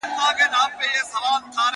چي برگ هر چاته گوري او پر آس اړوي سترگــي _